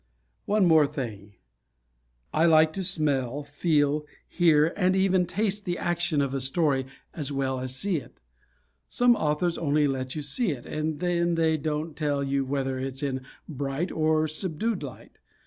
One more thing. I like to smell, feel, hear and even taste the action of a story as well as see it. Some authors only let you see it, and then they don't tell you whether it's in bright or subdued light.